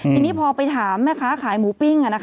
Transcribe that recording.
ทีนี้พอไปถามแม่ค้าขายหมูปิ้ง